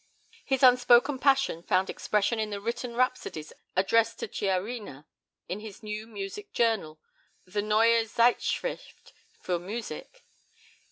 His unspoken passion found expression in the written rhapsodies addressed to "Chiarina" in his new music journal, the Neue Zeitschrift für Musik.